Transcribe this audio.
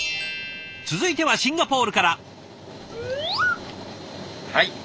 続いてはシンガポールから。